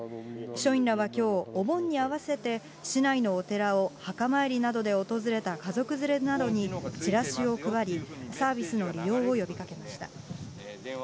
署員らはきょう、お盆に合わせて、市内のお寺を墓参りなどで訪れた家族連れなどに、チラシを配り、サービスの利用を呼びかけました。